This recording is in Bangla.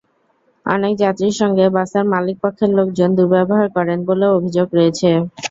অনেক যাত্রীর সঙ্গে বাসের মালিকপক্ষের লোকজন দুর্ব্যবহার করেন বলেও অভিযোগ রয়েছে।